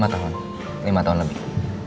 lima tahun lima tahun lebih